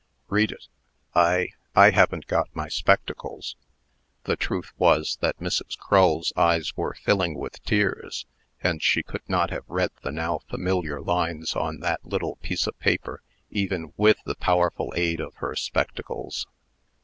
Read it. I I haven't got my spectacles." The truth was, that Mrs. Crull's eyes were filling with tears, and she could not have read the now familiar lines on that little piece of paper even with the powerful aid of her spectacles.